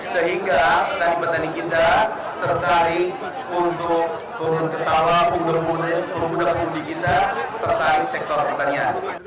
sehingga petani petani kita tertarik untuk turun ke sawah menggunakan kunci kita tertarik sektor pertanian